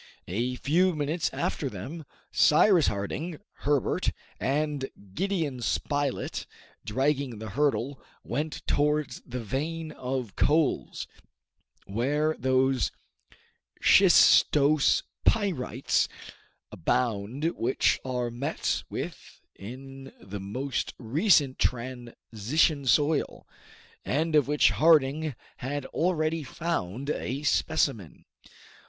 A few minutes after them, Cyrus Harding, Herbert, and Gideon Spilett, dragging the hurdle, went towards the vein of coals, where those shistose pyrites abound which are met with in the most recent transition soil, and of which Harding had already found a specimen.